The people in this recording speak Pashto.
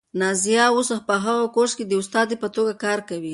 نازیه اوس په هغه کورس کې د استادې په توګه کار کوي.